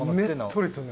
ねっとりとね。